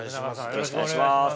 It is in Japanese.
よろしくお願いします。